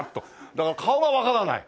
だから顔がわからない。